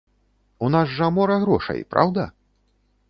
У нас жа мора грошай, праўда?